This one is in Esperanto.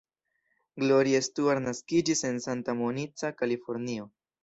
Gloria Stuart naskiĝis en Santa Monica, Kalifornio.